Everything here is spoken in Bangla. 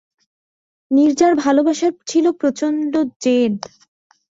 নীরজার ভালোবাসার ছিল প্রচণ্ড জেদ।